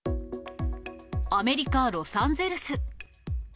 アメリカ・ロサンゼルス。